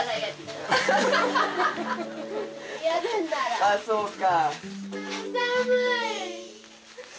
ああそうか。